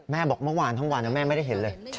บอกเมื่อวานทั้งวันแม่ไม่ได้เห็นเลย